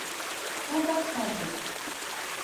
څه به کوو.